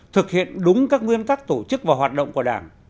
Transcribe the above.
thực hiện đúng các nguyên tắc tổ chức và hoạt động của đảng